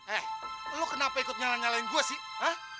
eh lo kenapa ikut nyalah nyalain gue sih hah